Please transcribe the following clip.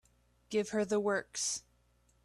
Give her the works.